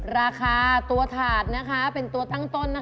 ราคาตัวถาดนะคะเป็นตัวตั้งต้นนะคะ